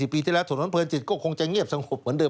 ปีที่แล้วถนนเพลินจิตก็คงจะเงียบสงบเหมือนเดิ